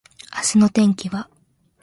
明日の天気は？